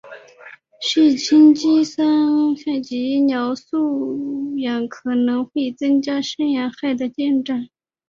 血清肌酸酐及尿素氮可能会增加肾损害的进展。